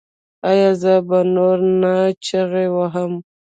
ایا زه به نور نه چیغې وهم؟